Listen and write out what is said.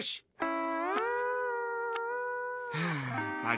ああ？